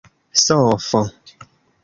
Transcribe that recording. sofo